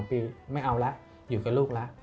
ปีไม่เอาแล้วอยู่กับลูกแล้ว